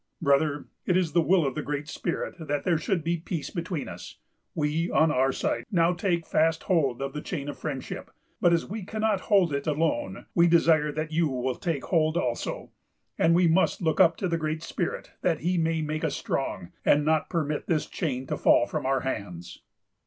"Brother, it is the will of the Great Spirit that there should be peace between us. We, on our side, now take fast hold of the chain of friendship; but, as we cannot hold it alone, we desire that you will take hold also, and we must look up to the Great Spirit, that he may make us strong, and not permit this chain to fall from our hands.